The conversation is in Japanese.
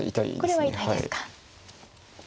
これは痛いですか。